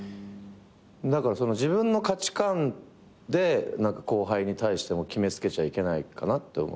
だから自分の価値観で後輩に対しても決め付けちゃいけないって思う。